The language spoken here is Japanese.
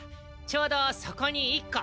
ちょうどそこに一個。